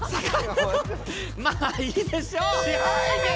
まあいいでしょう！